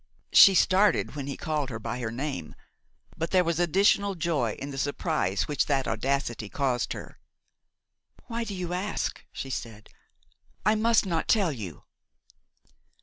She started when he called her by her name; but there was additional joy in the surprise which that audacity caused her. "Why do you ask?" she said. "I must not tell you."